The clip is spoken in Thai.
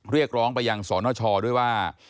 เรียกร้องไปยังสนชด้วยว่า